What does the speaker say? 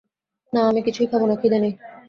না, আমি কিছুই খাব না, খিদে নেই।